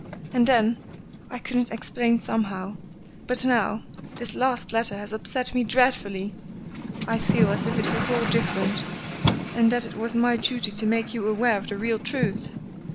And then, I couldn't explain somehow but now this last letter has upset me dreadfully; I feel as if it was all different, and that it was my duty to make you aware of the real truth.